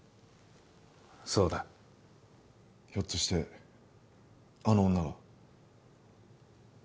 そうだひょっとしてあの女が？